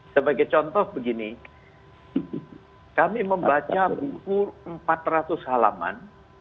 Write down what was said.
sebagai contoh begini kami membaca buku empat ratus halaman